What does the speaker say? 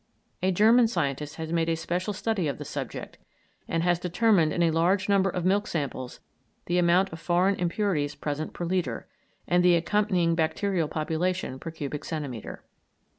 A German scientist has made a special study of the subject, and has determined in a large number of milk samples the amount of foreign impurities present per litre, and the accompanying bacterial population per cubic centimetre.